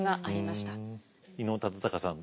伊能忠敬さん